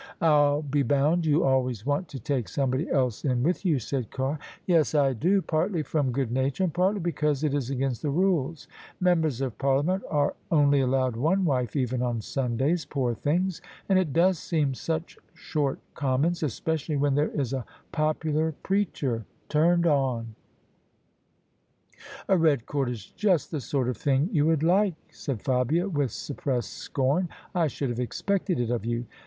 " I'll be bound you alwasrs want to take somebody else in with you," said Carr. " Yes, I do : partly from good nature and partly because It IS against the rules. Members of Parliament arc only allowed one wife even on Sundays, poor things I And it does seem such ^ort commons, especially when there is a popular preacher turned on! " [9.0]; OF ISABEL CARNABY " A red cord is just the sort of thing you would like," said Fabia with suppressed scorn :" I should have expected it of you."